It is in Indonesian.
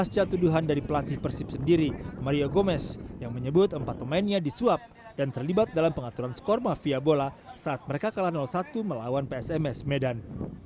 pasca tuduhan dari pelatih persib sendiri mario gomez yang menyebut empat pemainnya disuap dan terlibat dalam pengaturan skor mafia bola saat mereka kalah satu melawan psms medan